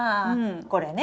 これね？